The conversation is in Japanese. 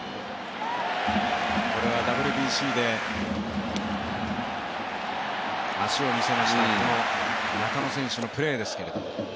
これはＷＢＣで足を見せました中野選手のプレーですけども。